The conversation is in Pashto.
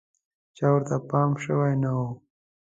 چا ورته پام شوی نه و.